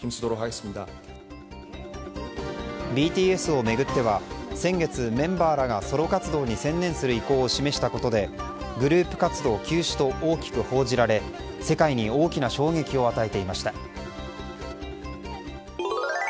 ＢＴＳを巡っては、先月メンバーらがソロ活動に専念する意向を示したことでグループ活動休止と大きく報じられ世界に大きな衝撃を与えていました。